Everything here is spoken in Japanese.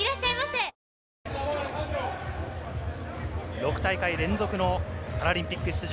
６大会連続のパラリンピック出場。